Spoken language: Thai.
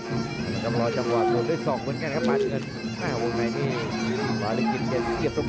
กำลังจะรอจังหวัดโดนด้วยสองคนกันครับฟาลิกินจะเสียบตรง